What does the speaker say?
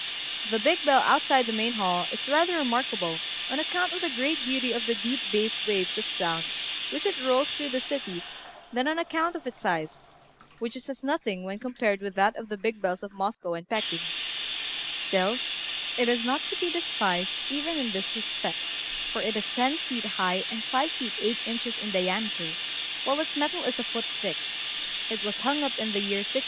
The big bell outside the main hall is rather remarkable on account of the great beauty of the deep bass waves of sound which it rolls through the city than on account of its size, which is as nothing when compared with that of the big bells of Moscow and Peking; still it is not to be despised even in that respect, for it is ten feet high and five feet eight inches in diameter, while its metal is a foot thick: it was hung up in the year 1673.